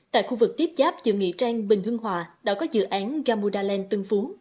tại khu vực tiếp giáp giữa nghĩa trang bình hưng hòa đã có dự án gamuda land tân phú